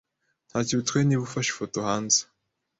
Ntacyo bitwaye niba ufashe ifoto hanze.